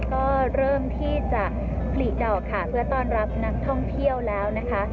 ก็เริ่มที่จะผลิดอกค่ะเพื่อต้อนรับนักท่องเที่ยวแล้วนะคะ